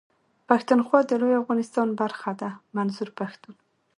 پښتونخوا د لوی افغانستان برخه ده منظور پښتون.